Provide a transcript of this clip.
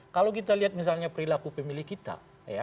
kalau kita lihat misalnya perilaku pemilih kita